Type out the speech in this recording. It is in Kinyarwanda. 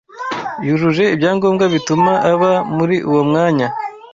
yujuje ibyangombwa bituma aba muri uwo mwanya